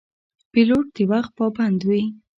پیلوټ د وخت پابند وي.